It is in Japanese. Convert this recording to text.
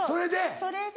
それで？